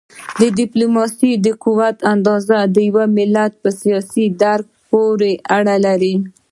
د ډیپلوماسی د قوت اندازه د یو ملت په سیاسي درک پورې اړه لري.